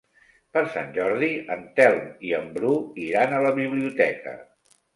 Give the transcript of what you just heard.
Per Sant Jordi en Telm i en Bru iran a la biblioteca.